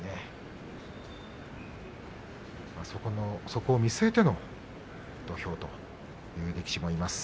そこを見据えての土俵という力士もいます。